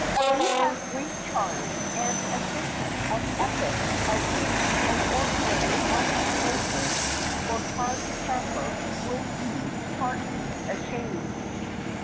She has great charm and a system of ethics of which an ordinary house breaker or card sharper would be heartily ashamed.